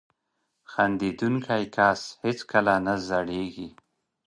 • خندېدونکی کس هیڅکله نه زړېږي.